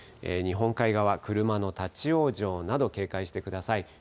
日本海側、車の立往生など警戒してください。